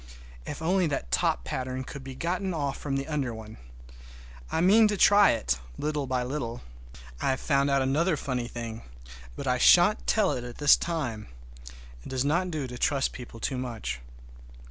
If only that top pattern could be gotten off from the under one! I mean to try it, little by little. I have found out another funny thing, but I shan't tell it this time! It does not do to trust people too much.